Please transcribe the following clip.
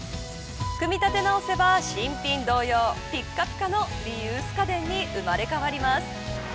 組み立て直せば新品同様ぴっかぴかのリユース家電に生まれ変わります。